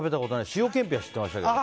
塩けんぴは知ってましたけど。